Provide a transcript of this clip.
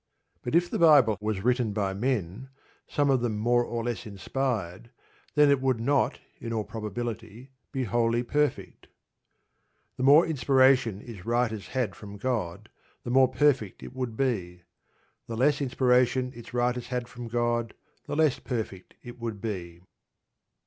But if the Bible was written by men, some of them more or less inspired, then it would not, in all probability be wholly perfect. The more inspiration its writers had from God, the more perfect it would be. The less inspiration its writers had from God, the less perfect it would be.